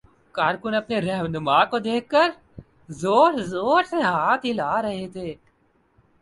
کارکن اپنے راہنما کو دیکھ کر زور زور سے ہاتھ ہلا رہے تھے